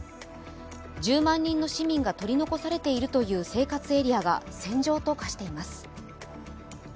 １０万人の市民が取り残されているという生活エリアは戦場と化しています。